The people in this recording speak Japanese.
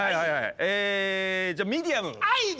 ええじゃあミディアム。